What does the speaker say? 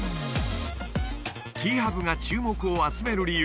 Ｔ−Ｈｕｂが注目を集める理由